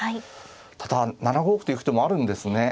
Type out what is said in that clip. ただ７五歩と行く手もあるんですね。